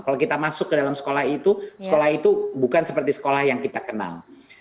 kalau kita masuk ke dalam sekolah itu sekolah itu bukan seperti sekolah yang kita kenal